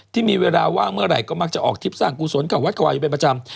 ที่มีเวลาว่างเมื่อไหร่ก็มักจะออกทิพย์สร้างกุศลเข้าวัดเขาวายอยู่เป็นประจำ